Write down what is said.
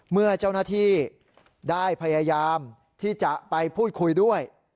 เมื่อเจ้าหน้าที่ได้พยายามที่จะไปพูดคุยด้วย